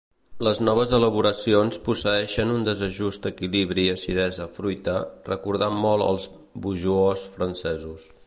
Les noves elaboracions posseeixen un desajustat equilibri acidesa-fruita, recordant molt als Beaujolais francesos.